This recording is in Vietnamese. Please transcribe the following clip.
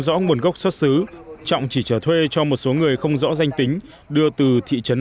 rõ nguồn gốc xuất xứ trọng chỉ chở thuê cho một số người không rõ danh tính đưa từ thị trấn